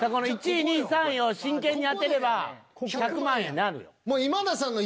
１位２位３位を真剣に当てれば１００万円なるよ。